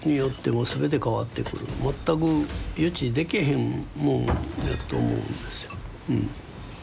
全く予知できへんもんやと思うんですようん。